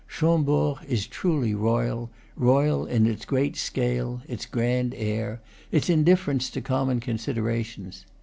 Chambord is truly royal, royal in its great scale, its grand air, its indifference to common considerations.